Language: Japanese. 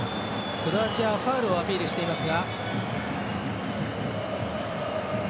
クロアチアはファウルをアピールしていますが。